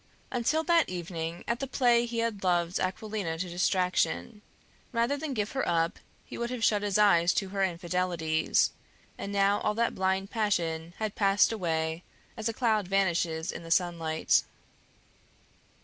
Until that evening at the play he had loved Aquilina to distraction. Rather than give her up he would have shut his eyes to her infidelities; and now all that blind passion had passed away as a cloud vanishes in the sunlight.